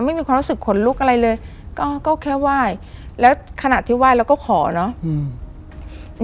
ไม่มีความรู้สึกขนลุกอะไรเลยก็ก็แค่ไหว้แล้วขณะที่ไหว้เราก็ขอเนอะอืม